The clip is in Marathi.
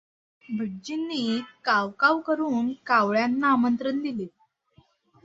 भटजींनी काव काव करून कावळ्यांना आमंत्रण दिले.